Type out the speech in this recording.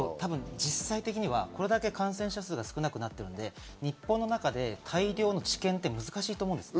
実際的にはこれだけ感染者数が少なくなっているので日本の中で大量の治験って難しいと思うんです。